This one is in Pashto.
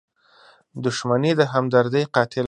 • دښمني د همدردۍ قاتله ده.